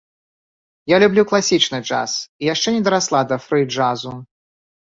Я люблю класічны джаз, і яшчэ не дарасла да фры джазу.